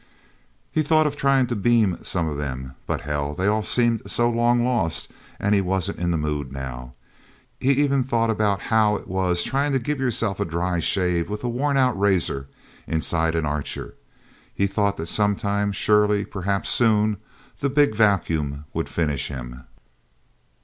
He thought of trying to beam some of them. But hell, they all seemed so long lost, and he wasn't in the mood, now. He even thought about how it was, trying to give yourself a dry shave with a worn out razor, inside an Archer. He thought that sometime, surely, perhaps soon, the Big Vacuum would finish him.